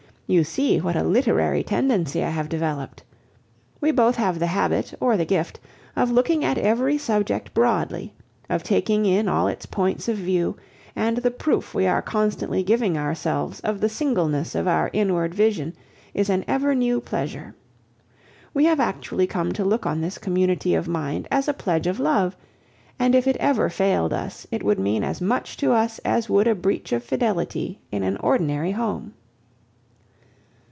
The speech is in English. You see what a literary tendency I have developed! We both have the habit, or the gift, of looking at every subject broadly, of taking in all its points of view, and the proof we are constantly giving ourselves of the singleness of our inward vision is an ever new pleasure. We have actually come to look on this community of mind as a pledge of love; and if it ever failed us, it would mean as much to us as would a breach of fidelity in an ordinary home.